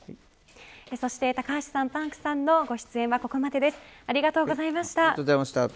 そして高橋さん、パンクさんのご出演はここまでです。